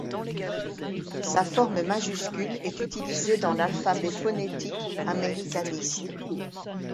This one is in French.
Sa forme majuscule est utilisée dans l’alphabet phonétique américaniste.